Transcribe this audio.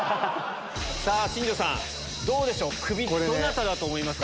さあ、新庄さん、どうでしょう、クビ、どなただと思いますか？